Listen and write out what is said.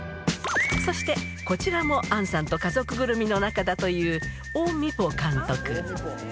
そして、こちらも杏さんと家族ぐるみの中だという、おみぽ監督。